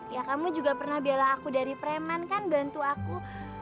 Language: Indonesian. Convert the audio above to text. ya kamu juga pernah bela aku dari preman kan bantu aku